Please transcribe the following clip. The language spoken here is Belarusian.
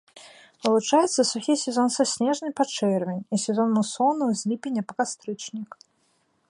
Вылучаюцца сухі сезон са снежня па чэрвень і сезон мусонаў з ліпеня па кастрычнік.